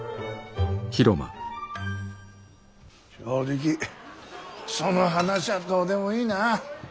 正直その話はどうでもいいなあ。